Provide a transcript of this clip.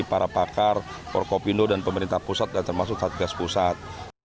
para pakar orkopindo dan pemerintah pusat termasuk satgas pusat